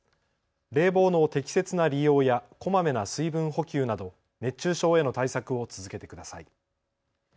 冷房の適切な利用やこまめな水分補給など熱中症への対策を続けてください。